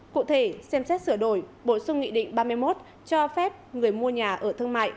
cụ thể xem xét sửa đổi bổ sung nghị định ba mươi một cho phép người mua nhà ở thương mại